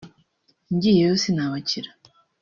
ngiyeyo sinabakira